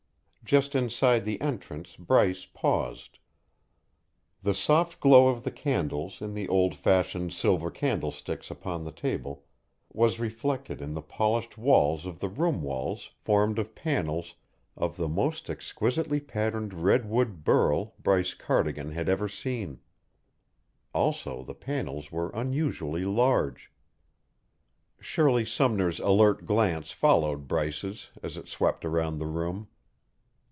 Just inside the entrance Bryce paused. The soft glow of the candles in the old fashioned silver candlesticks upon the table was reflected in the polished walls of the room walls formed of panels of the most exquisitely patterned redwood burl Bryce Cardigan had ever seen. Also the panels were unusually large. Shirley Sumner's alert glance followed Bryce's as it swept around the room.